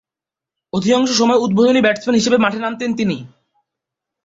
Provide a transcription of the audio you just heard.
অধিকাংশ সময়ই উদ্বোধনী ব্যাটসম্যান হিসেবে মাঠে নামতেন তিনি।